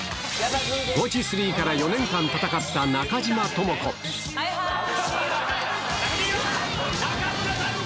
ゴチ３から４年間戦った中島はいはーい。